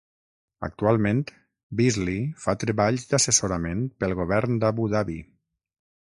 Actualment, Beasley fa treballs d'assessorament pel govern d'Abu Dhabi.